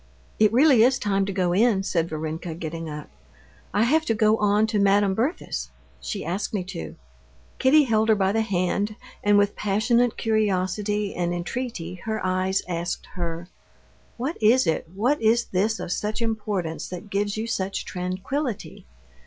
"It really is time to go in!" said Varenka, getting up. "I have to go on to Madame Berthe's; she asked me to." Kitty held her by the hand, and with passionate curiosity and entreaty her eyes asked her: "What is it, what is this of such importance that gives you such tranquillity?